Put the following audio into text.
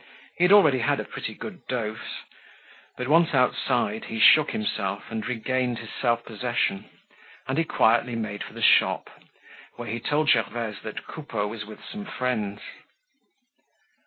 He had already had a pretty good dose. But once outside he shook himself and regained his self possession; and he quietly made for the shop, where he told Gervaise that Coupeau was with some friends.